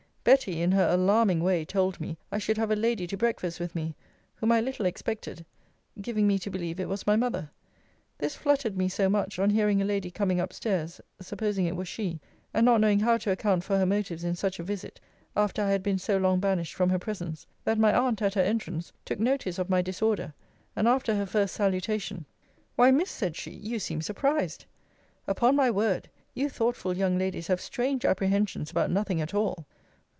Betty, in her alarming way, told me, I should have a lady to breakfast with me, whom I little expected; giving me to believe it was my mother. This fluttered me so much, on hearing a lady coming up stairs, supposing it was she, (and not knowing how to account for her motives in such a visit, after I had been so long banished from her presence,) that my aunt, at her entrance, took notice of my disorder; and, after her first salutation, Why, Miss, said she, you seem surprised. Upon my word, you thoughtful young ladies have strange apprehensions about nothing at all.